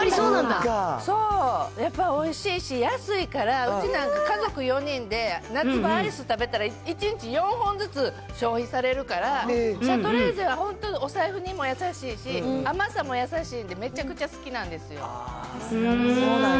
そう、やっぱりおいしいし、安いから、うちなんか家族４人で夏場、アイス食べたら、１日４本ずつ消費されるから、シャトレーゼは本当にお財布にも優しいし、甘さも優しいんでめちゃくちゃ好きなんですよ。